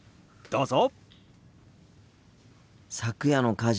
どうぞ。